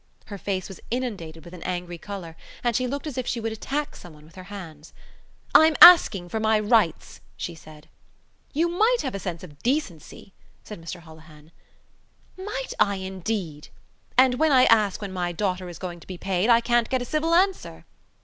Her face was inundated with an angry colour and she looked as if she would attack someone with her hands. "I'm asking for my rights," she said. "You might have some sense of decency," said Mr Holohan. "Might I, indeed?... And when I ask when my daughter is going to be paid I can't get a civil answer."